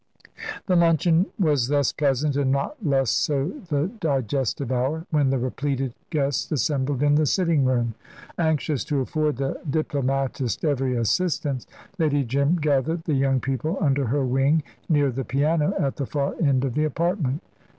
The luncheon was thus pleasant, and not less so the digestive hour, when the repleted guests assembled in the sitting room. Anxious to afford the diplomatist every assistance, Lady Jim gathered the young people under her wing near the piano at the far end of the apartment.